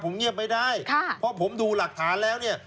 ผมเงียบไม่ได้ค่ะเพราะผมดูหลักฐานแล้วเนี่ย